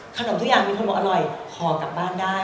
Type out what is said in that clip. ทุกอย่างมีคนบอกอร่อยขอกลับบ้านได้